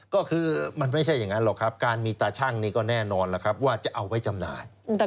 ก็คือมันไม่ใช่อย่างนั้นหรอกครับการมีตาชั่งนี่ก็แน่นอนล่ะครับว่าจะเอาไว้จำหน่าย